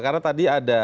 karena tadi ada